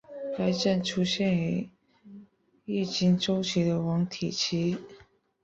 该症出现于月经周期的黄体期。